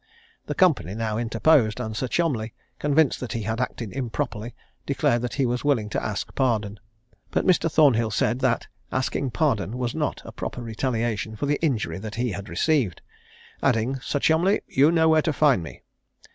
The company now interposed, and Sir Cholmondeley, convinced that he had acted improperly, declared that he was willing to ask pardon; but Mr. Thornhill said, that asking pardon was not a proper retaliation for the injury that he had received; adding, "Sir Cholmondeley, you know where to find me."